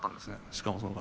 しかもその方。